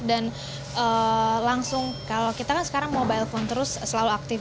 dan langsung kalau kita kan sekarang mobile phone terus selalu aktif